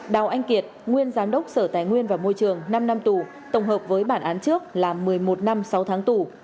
đào anh kiệt nguyên giám đốc sở tài nguyên và môi trường năm năm tù tổng hợp với bản án trước là một mươi một năm sáu tháng tù